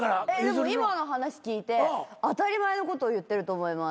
今の話聞いて当たり前のことを言ってると思います。